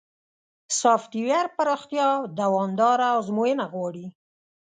سافټویر پراختیا دوامداره ازموینه غواړي.